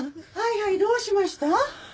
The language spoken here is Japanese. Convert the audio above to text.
はいはいどうしました？